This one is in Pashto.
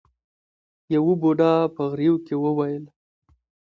يوه بوډا په غريو کې وويل.